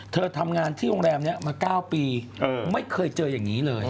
เธอทำงานที่โรงแรมนี้มา๙ปีไม่เคยเจออย่างนี้เลย